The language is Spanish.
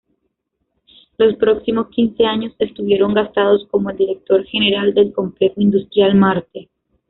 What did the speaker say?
Los próximos quince años estuvieron gastados como el director general del Complejo Industrial Marte.